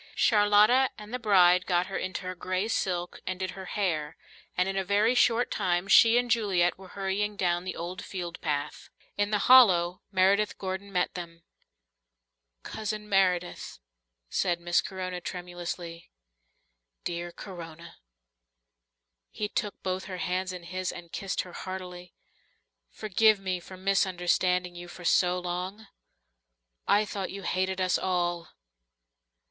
Charlotta and the bride got her into her grey silk and did her hair, and in a very short time she and Juliet were hurrying down the old field path. In the hollow Meredith Gordon met them. "Cousin Meredith," said Miss Corona tremulously. "Dear Corona." He took both her hands in his, and kissed her heartily. "Forgive me for misunderstanding you so long. I thought you hated us all."